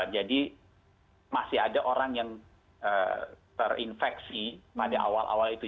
jadi masih ada orang yang terinfeksi pada awal awal itu